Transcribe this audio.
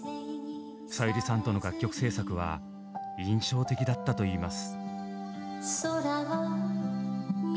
さゆりさんとの楽曲制作は印象的だったと言います。